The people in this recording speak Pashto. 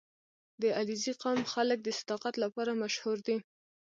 • د علیزي قوم خلک د صداقت لپاره مشهور دي.